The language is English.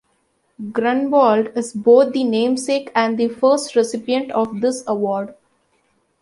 Grunwald is both the namesake and first recipient of this award.